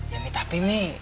ya mi tapi mi